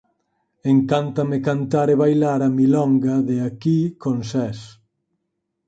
Encántame cantar e bailar a Milonga de aquí con Sés